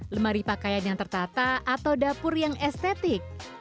lemari pakaian yang tertata atau dapur yang estetik